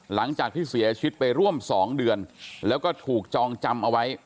หลังจากที่เสียชีวิตไปร่วม๒เดือนแล้วก็ถูกจองจำเอาไว้